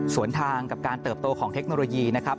ส่วนทางกับการเติบโตของเทคโนโลยีนะครับ